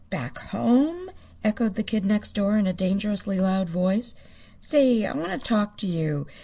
"Back home!" echoed the Kid Next Door in a dangerously loud voice. "Say, I want to talk to you.